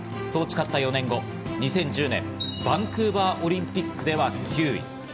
そう誓った４年後、２０１０年のバンクーバーオリンピックでは９位。